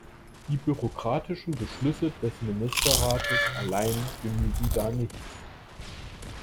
Die bürokratischen Beschlüsse des Ministerrates allein genügen da nicht.